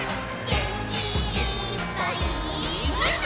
「げんきいっぱいもっと」